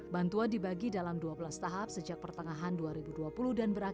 bantuan dibagi dalam dua belas tahap sejak pertengahan dua ribu dua puluh dan berakhir